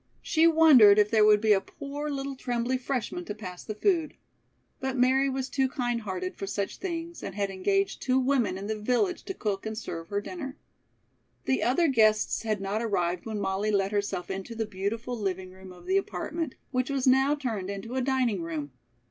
She wondered if there would be a poor little trembly freshman to pass the food. But Mary was too kind hearted for such things and had engaged two women in the village to cook and serve her dinner. The other guests had not arrived when Molly let herself into the beautiful living room of the apartment, which was now turned into a dining room.